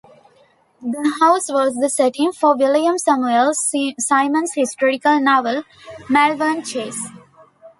The house was the setting for William Samuel Symonds' historical novel Malvern Chase.